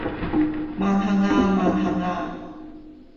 萬幸呀！萬幸呀！